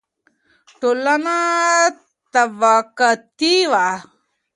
ټولنه طبقاتي وه.